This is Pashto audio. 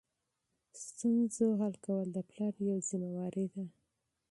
ستونزو حل کول د پلار یوه مسؤلیت ده.